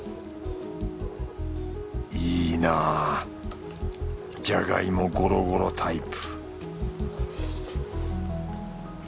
いいなぁじゃがいもゴロゴロタイプ